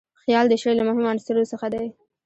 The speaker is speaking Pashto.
خیال د شعر له مهمو عنصرو څخه دئ.